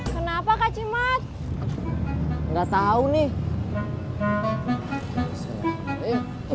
kenapa kak cimat nggak tahu nih